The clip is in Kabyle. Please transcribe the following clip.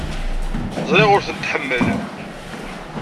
Ẓriɣ ur tent-tḥemmel.